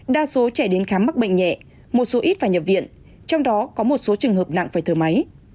đa số trẻ đến khám mắc bệnh nhẹ một số ít phải nhập viện trong đó có một số trường hợp nặng phải thở máy